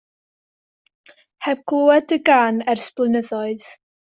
Heb glywed y gân ers blynyddoedd.